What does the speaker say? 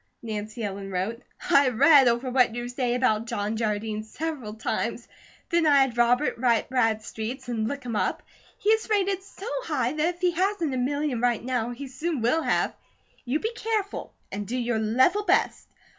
Nancy Ellen wrote: I have read over what you say about John Jardine several times. Then I had Robert write Bradstreet's and look him up. He is rated so high that if he hasn't a million right now, he soon will have. You be careful, and do your level best.